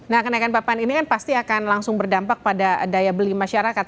nah kenaikan papan ini kan pasti akan langsung berdampak pada daya beli masyarakat